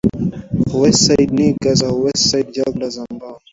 West Side Niggaz au West Side Junglers ambao